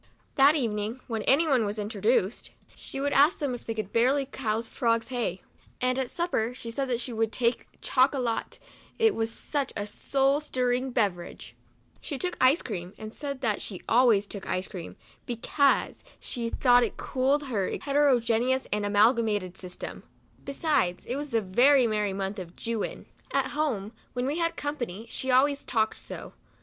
That evening, when any one was introduced, she would 66 MEMOIRS OF A ask them if they could " barley vouse frog's hay" — and at supper, she said that she would take " chockalat" it was such a " soul stirring beverage" She took ice cream, and said that " she always took ice cream, bekase she thought it cooled her heterogeneous and amalgamated system ; besides, it was the merry month of Jew win." At home, when we had company, she always talked so.